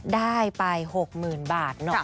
ได้ไป๖๐๐๐๐บาท